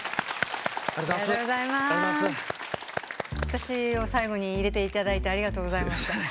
私を最後に入れていただいてありがとうございました。